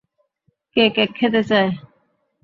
কে cake খেতে চায়?